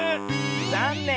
ざんねん。